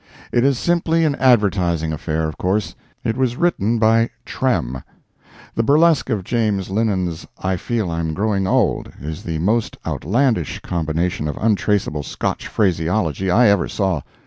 It is simply an advertising affair, of course. It was written by "Trem." The burlesque of James Linen's "I Feel I'm Growing Auld," is the most outlandish combination of untranslatable Scotch phraseology I ever saw.